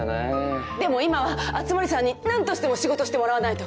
でも今は熱護さんに何としても仕事してもらわないと。